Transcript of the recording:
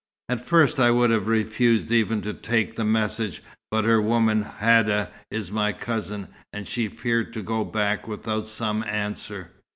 At first I would have refused even to take the message, but her woman, Hadda, is my cousin, and she feared to go back without some answer.